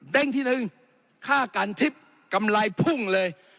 เด้งที่หนึ่งค่าการทิศกำไรพุ่งเลย